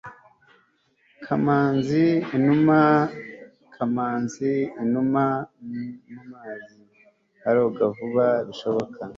kamanzi inuma mumazi aroga vuba bishoboka